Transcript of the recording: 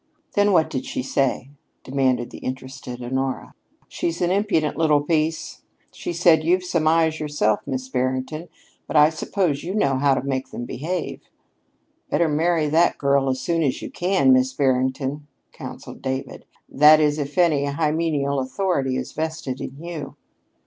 '" "Then what did she say?" demanded the interested Honora. "She's an impudent little piece. She said, 'You've some eyes yourself, Miss Barrington, but I suppose you know how to make them behave." "Better marry that girl as soon as you can, Miss Barrington," counseled David; "that is, if any hymeneal authority is vested in you."